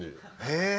へえ。